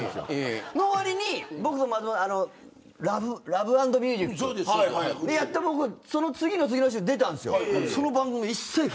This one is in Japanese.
そのわりにラフ＆ミュージックやった次の次の週に出たんですよ